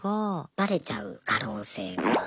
バレちゃう可能性が。